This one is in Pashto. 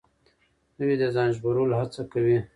دوی د ځان ژغورلو هڅه کوي.